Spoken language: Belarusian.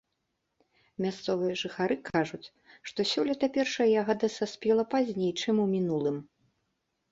Мясцовыя жыхары кажуць, што сёлета першая ягада саспела пазней, чым у мінулым.